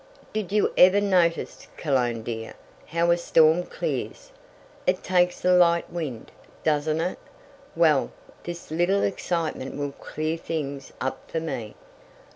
"Did you ever notice, Cologne dear, how a storm clears? It takes a light wind, doesn't it? Well, this little excitement will clear things up for me."